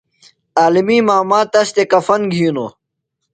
عالمیۡ ماما تس تھےۡ کفن گِھینوۡ۔